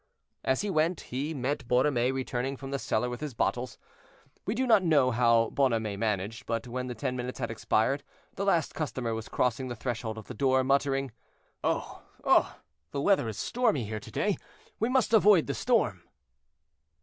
As he went, he met Borromée returning from the cellar with his bottles. We do not know how Bonhomet managed, but when the ten minutes had expired, the last customer was crossing the threshold of the door, muttering: "Oh! oh! the weather is stormy here to day; we must avoid the storm."